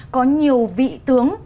có nhiều vị tướng